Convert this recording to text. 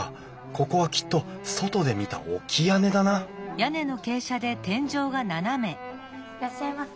ここはきっと外で見た置き屋根だないらっしゃいませ。